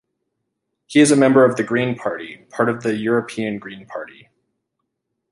He is a member of the Green Party, part of the European Green Party.